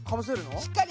しっかり？